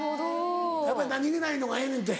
やっぱり何げないのがええねんて。